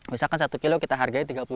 misalkan satu kilo kita hargai tiga puluh